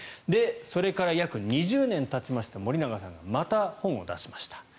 それから約２０年たちました森永さんがまた本を出しました。